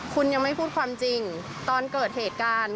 คุณยังไม่พูดความจริงตอนเกิดเหตุการณ์